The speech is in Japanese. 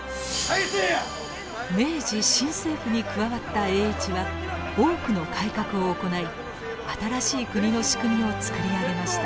明治新政府に加わった栄一は多くの改革を行い新しい国の仕組みを作り上げました。